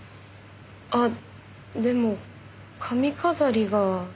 あっでも髪飾りが。